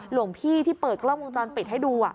หลวงพี่ที่เปิดกล้องวงจรปิดให้ดู